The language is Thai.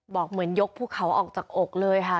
บอกเหมือนยกภูเขาออกจากอกเลยค่ะ